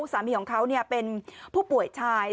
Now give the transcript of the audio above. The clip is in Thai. สามีของเขาเป็นผู้ป่วยชาย